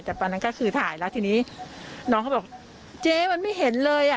แต่ตอนนั้นก็คือถ่ายแล้วทีนี้น้องเขาบอกเจ๊มันไม่เห็นเลยอ่ะ